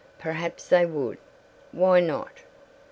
Perhaps they would. Why not?